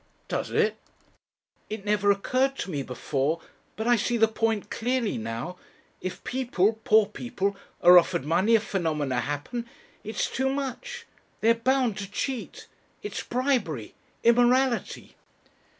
"Does it?" "It never occurred to me before. But I see the point clearly now. If people, poor people, are offered money if phenomena happen, it's too much. They are bound to cheat. It's bribery immorality!"